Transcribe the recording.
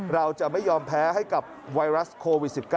เราจะไม่ยอมแพ้ให้กับไวรัสโควิด๑๙